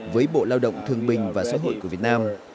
với bộ lao động thương bình và xã hội của việt nam